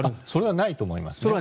それはないと思います。